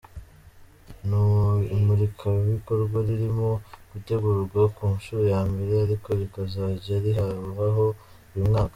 Ni imurikabikorwa ririmo gutegurwa ku nshuro ya mbere ariko rikazajya ribaho buri mwaka.